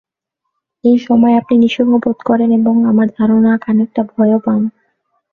এই সময় আপনি নিঃসঙ্গ বোধ করেন এবং আমার ধারণা খানিকটা ভয়ও পান।